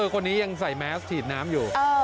คนนี้ยังใส่แมสฉีดน้ำอยู่